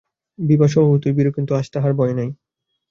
বিভা স্বভাবতই ভীরু, কিন্তু আজ তাহার ভয় নাই।